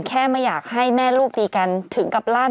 ไม่อยากให้แม่ลูกตีกันถึงกับลั่น